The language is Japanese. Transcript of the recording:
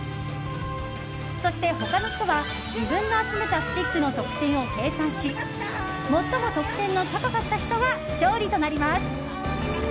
そして、他の人は自分の集めたスティックの得点を計算し最も得点の高かった人が勝利となります。